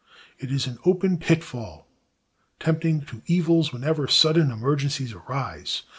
It is an open pitfall, tempting to evils whenever sudden emergencies arise.